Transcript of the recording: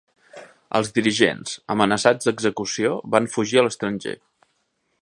Els dirigents, amenaçats d'execució, van fugir a l'estranger.